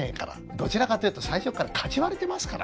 どちらかというと最初からかち割れてますから！